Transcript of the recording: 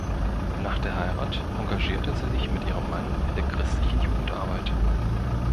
Nach der Heirat engagierte sie sich mit ihrem Mann in der christlichen Jugendarbeit.